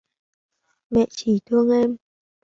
mẹ chỉ thương em